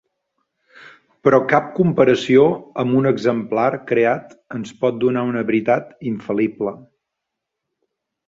Però cap comparació amb un exemplar creat ens pot donar una veritat infal·lible.